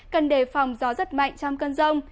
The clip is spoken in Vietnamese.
cần đề phòng gió rất mạnh trong cơn rông